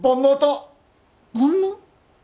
煩悩？